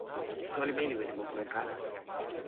soweli mi li wile moku e kala.